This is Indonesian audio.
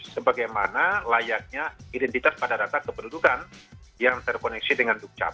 sebagaimana layaknya identitas pada data kependudukan yang terkoneksi dengan dukcap